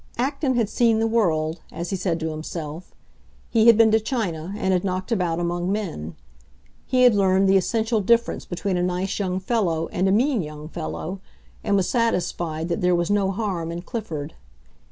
Acton had seen the world, as he said to himself; he had been to China and had knocked about among men. He had learned the essential difference between a nice young fellow and a mean young fellow, and was satisfied that there was no harm in Clifford.